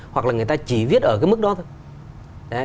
hoặc là người ta chỉ viết ở cái mức đó thôi